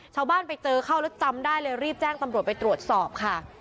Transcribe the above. ชาวบ้านไปเจอเข้าแล้วจำได้เลยรีบแจ้งตำรวจไปตรวจสอบค่ะ